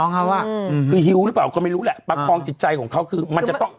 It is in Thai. คือหิวหรือเปล่าเขาไม่รู้แหละประคองจิตใจของเขาคือมันจะต้อง